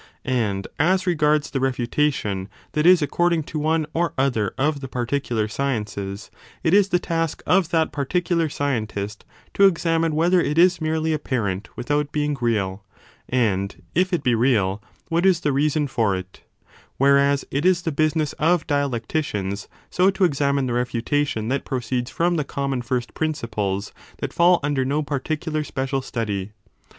And as regards the refutation that is according to one or other of the particular sciences it is the task of that particular scientist to examine whether it is merely apparent without being real, and, if it be real, what is the reason for it : whereas it is the business of dialecticians so to examine the refutation that proceeds from the common first principles that fall under no particular special study.